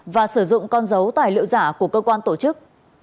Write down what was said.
và sử dụng con dấu tài liệu giả của cơ quan tổ chức